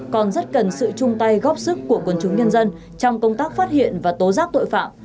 còn rất cần sự chung tay góp sức của quần chúng nhân dân trong công tác phát hiện và tố giác tội phạm